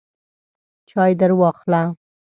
چای درواخله !